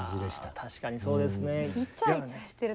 確かにそうですね。